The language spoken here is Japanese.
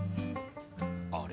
あれ？